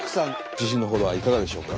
自信の程はいかがでしょうか？